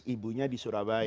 ibunya di surabaya